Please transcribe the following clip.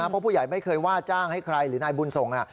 เพราะผู้ใหญ่ไม่เคยว่าจ้างให้ใครหรือนายบุญส่ง